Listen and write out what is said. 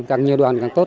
càng nhiều đoàn càng tốt